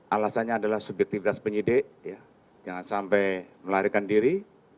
alasannya adalah subjektivitas penyidik jangan sampai melarikan diri